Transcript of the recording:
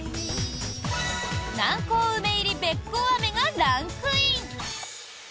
南高梅入りべっこう飴がランクイン。